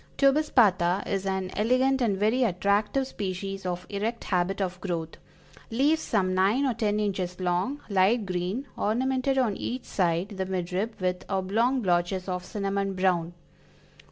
Tubispatha is an elegant and very attractive species of erect habit of growth; leaves some nine or ten inches long, light green, ornamented on each side the mid rib with oblong blotches of cinnamon brown.